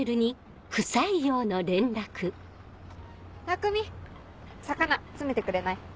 たくみ魚詰めてくれない？